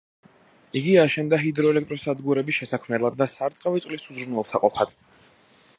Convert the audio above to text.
იგი აშენდა ჰიდროელექტროსადგურების შესაქმნელად და სარწყავი წყლის უზრუნველსაყოფად.